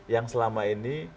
yang selama ini